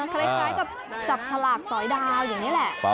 คล้ายกับจับฉลากสอยดาวอย่างนี้แหละ